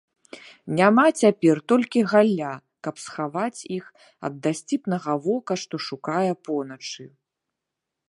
Няма цяпер толькі галля, каб схаваць іх ад дасціпнага вока, што шукае поначы.